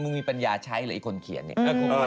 มึงิปัญญาใช้เหรอไอคนเขียนเนี่ย